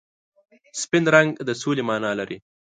سپین رنګ د سولې مانا لري.